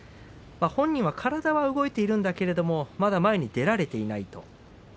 本人は体は動いているんだけどまだ前に出られていないと。